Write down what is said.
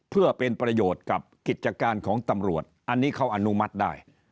เพื่อเป็นประโยชน์กับกิจการของตำรวจอันนี้เขาอนุมัติได้